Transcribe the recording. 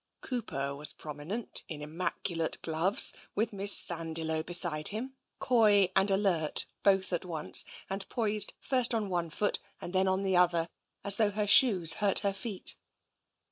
Cooper was prominent in immaculate gloves, with Miss Sandiloe beside him, coy and alert both at once and poised first on one foot and then on the other, as 214 TENSION though her shoes hurt her feet.